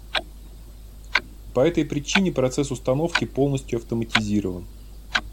По этой причине процесс установки полностью автоматизирован